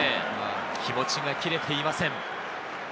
気持ちが切れていません。